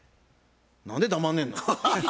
何で黙んねんな。